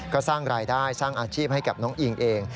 ก็สร้างรายได้สร้างอาชีพให้กับน้องอิงเอง